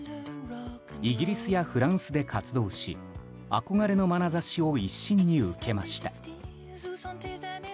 イギリスやフランスで活動し憧れのまなざしを一身に受けました。